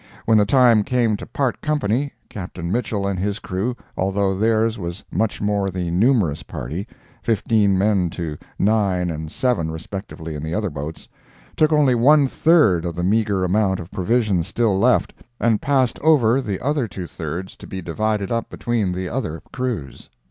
When the time came to part company, Captain Mitchell and his crew, although theirs was much the more numerous party (fifteen men to nine and seven respectively in the other boats), took only one third of the meager amount of provisions still left, and passed over the other two thirds to be divided up between the other crews.